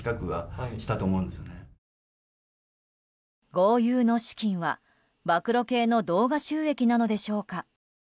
豪遊の資金は、暴露系の動画収益なのでしょうか。